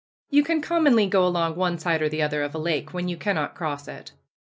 You can commonly go along one side or the other of a lake, when you cannot cross it.